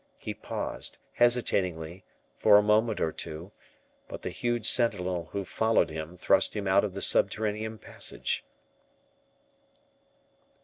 He paused, hesitatingly, for a moment or two; but the huge sentinel who followed him thrust him out of the subterranean passage.